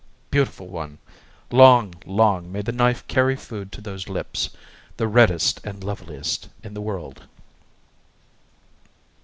Beautiful one! long, long may the knife carry food to those lips! the reddest and loveliest in the world!